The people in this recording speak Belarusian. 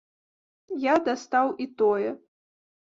Я дастаў і тое.